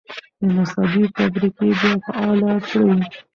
د نساجۍ فابریکې بیا فعالې کړئ.